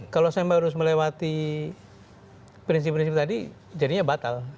kalau saya harus melewati prinsip prinsip tadi jadinya batal